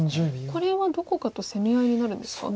これはどこかと攻め合いになるんですか？